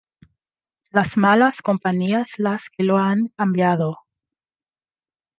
las malas compañías las que lo han cambiado